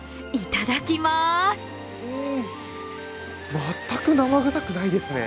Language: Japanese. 全く生臭くないですね。